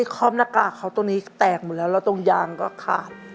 คอมหน้ากากเขาตรงนี้แตกหมดแล้วแล้วตรงยางก็ขาด